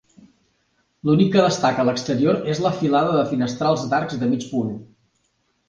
L'únic que destaca a l'exterior és la filada de finestrals d'arcs de mig punt.